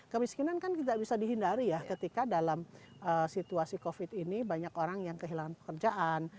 kemiskinan kan tidak bisa dihindari ya ketika dalam situasi covid ini banyak orang yang kehilangan pekerjaan